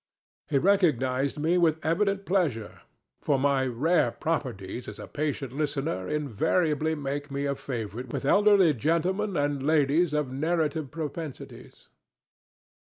He recognized me with evident pleasure, for my rare properties as a patient listener invariably make me a favorite with elderly gentlemen and ladies of narrative propensites.